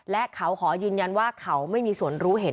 และเขาขอยืนยันว่าเขาไม่มีส่วนรู้เห็น